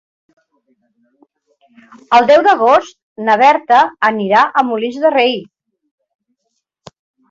El deu d'agost na Berta anirà a Molins de Rei.